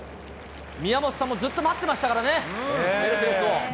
宮本さんもずっと待ってましたからね、メルセデスを。